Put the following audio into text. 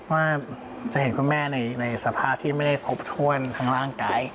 ว่าจะเห็นคุณแม่ในสภาพที่ไม่ได้ครบถ้วนทั้งร่างกาย